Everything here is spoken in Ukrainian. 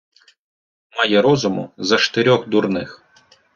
Має розуму за штирьох дурних.